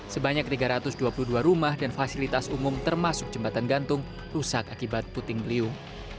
sebanyak tiga ratus dua puluh dua rumah dan fasilitas umum termasuk jembatan gantung rusak akibat puting beliung